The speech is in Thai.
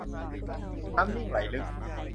น้ำนิ่งไหลลึก